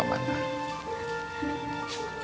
aku tidak mengerti pak man